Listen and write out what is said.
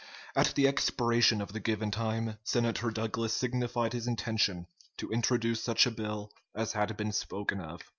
At the expiration of the given time, Senator Douglas signified his intention to introduce such a bill as had been spoken of."